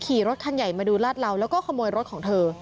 ขี่รถคันใหญ่มาดูลาดเหลาแล้วก็ขโมยรถของเธอ